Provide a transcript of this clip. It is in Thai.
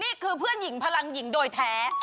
นี่คือเพื่อนหญิงพลังหญิงโดยแท้